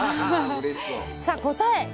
さあ答え